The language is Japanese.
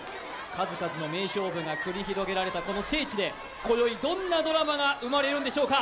数々の名勝負が繰り広げられたこの聖地で、今宵、どんなドラマが生まれるんでしょうか。